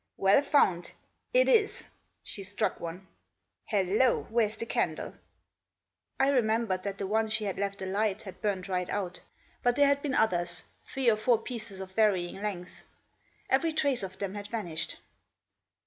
Well found! It Is I" She struck bne. "Hallo, Where's the candle?" I remembered (hat the bhe she had left alight had burned right out But there had been others, three or four pieces of varying length; Every trace of them had vanished.